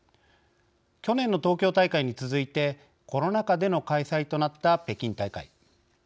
去年の東京大会に続いてコロナ禍での開催となった北京大会。